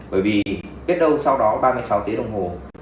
bởi vì biết đâu sau đó ba mươi sáu tiếng đồng hồ